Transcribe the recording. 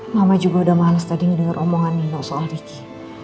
mama juga udah males tadi ngedenger omongan nino soal riki